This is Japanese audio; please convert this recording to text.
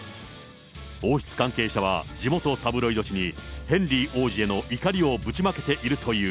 王室関係者は、地元タブロイド紙にヘンリー王子への怒りをぶちまけているという。